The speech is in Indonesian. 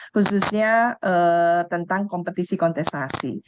khususnya tentang kompetisi kontestasi